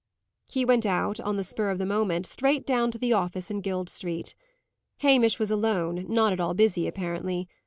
He went out, on the spur of the moment, straight down to the office in Guild Street. Hamish was alone, not at all busy, apparently.